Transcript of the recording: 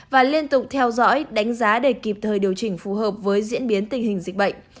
và liên tục theo dõi đánh giá để kịp thời điều chỉnh phù hợp với diễn biến tình hình dịch bệnh